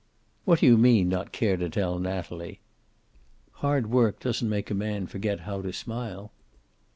"What do you mean, not care to tell Natalie?" "Hard work doesn't make a man forget how to smile."